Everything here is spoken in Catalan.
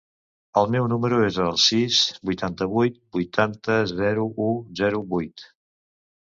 El meu número es el sis, vuitanta-vuit, vuitanta, zero, u, zero, vuit.